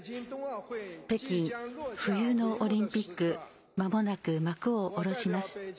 北京、冬のオリンピックまもなく幕を下ろします。